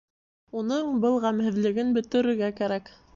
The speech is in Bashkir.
— Уның был ғәмһеҙлеген бөтөрөргә кәрәк.